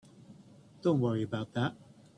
Don't worry about that.